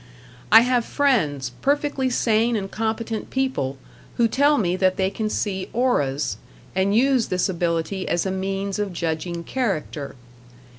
I have friends, perfectly sane and competent people, who tell me that they can see auras, and use this ability as a means of judging character.